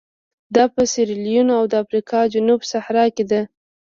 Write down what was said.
دا په سیریلیون او د افریقا جنوب صحرا کې ده.